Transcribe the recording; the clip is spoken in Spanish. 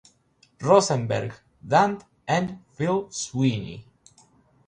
Rosenberg, Dan and Phil Sweeney.